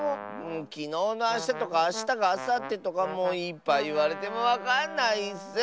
きのうのあしたとかあしたがあさってとかもういっぱいいわれてもわかんないッス！